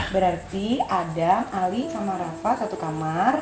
berarti ada ali sama rafa satu kamar